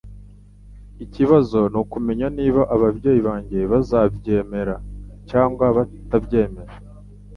Ikibazo nukumenya niba ababyeyi banjye bazabyemera cyangwa batabyemera.